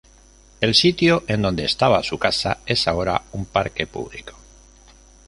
El sitio en donde estaba su casa, es ahora un parque público.